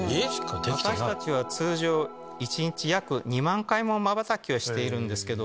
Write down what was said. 私たちは通常１日約２万回もまばたきをしているんですけど。